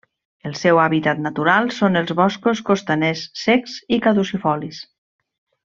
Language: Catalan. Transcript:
El seu hàbitat natural són els boscos costaners secs i caducifolis.